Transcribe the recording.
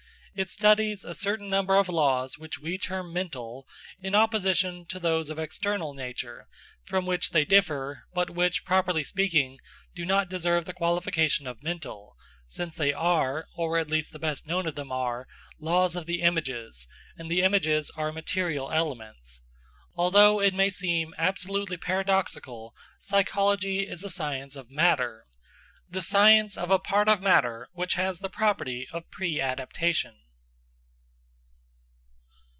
It studies a certain number of laws which we term mental, in opposition to those of external nature, from which they differ, but which, properly speaking, do not deserve the qualification of mental, since they are or at least the best known of them are laws of the images, and the images are material elements. Although it may seem absolutely paradoxical, psychology is a science of matter the science of a part of matter which has the property of preadaptation.